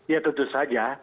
ya tentu saja